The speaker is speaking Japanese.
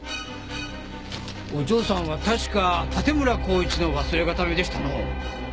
お嬢さんは確か盾村孝一の忘れ形見でしたのう。